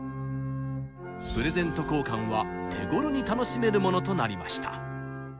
プレゼント交換は手ごろに楽しめるものとなりました。